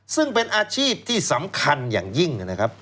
ซึ่งเป็นอาชีพที่สำคัญอย่างยิ่งนะครับ